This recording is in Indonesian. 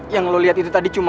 yang lo lihat itu tadi cuma